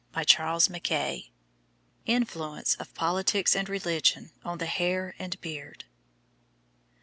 INFLUENCE OF POLITICS AND RELIGION ON THE HAIR AND BEARD.